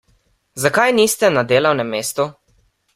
Zakaj niste na delovnem mestu?